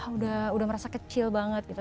udah merasa kecil banget gitu